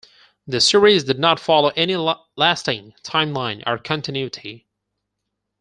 The series did not follow any lasting timeline or continuity.